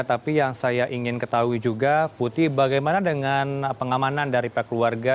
tapi yang saya ingin ketahui juga putih bagaimana dengan pengamanan dari pihak keluarga